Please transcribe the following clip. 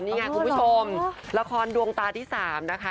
นี่ไงคุณผู้ชมละครดวงตาที่๓นะคะ